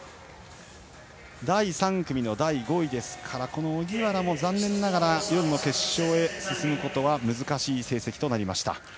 第３組の第５位ですから荻原も残念ながら夜の決勝へ進むことは難しい成績です。